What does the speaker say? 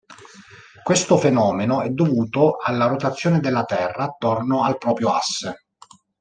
Questo fenomeno è dovuto alla rotazione della Terra attorno al proprio asse.